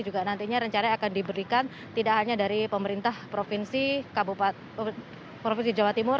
juga nantinya rencana akan diberikan tidak hanya dari pemerintah provinsi jawa timur